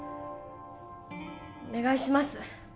お願いします